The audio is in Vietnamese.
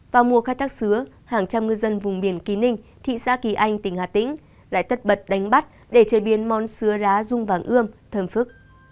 vào mùa khai thác sứa hàng trăm ngư dân vùng biển kỳ ninh thị xã kỳ anh tỉnh hà tĩnh lại tất bật đánh bắt để chế biến món sứa rung vàng ươm thầm phức